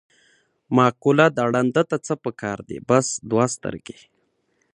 مقوله ده: ړانده ته څه په کار دي، بس دوه سترګې.